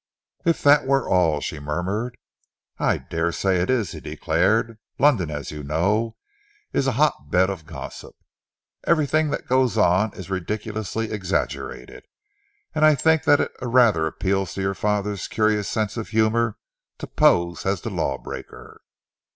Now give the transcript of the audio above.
"If that were all!" she murmured. "I dare say it is," he declared. "London, as you know, is a hot bed of gossip. Everything that goes on is ridiculously exaggerated, and I think that it rather appeals to your father's curious sense of humour to pose as the law breaker."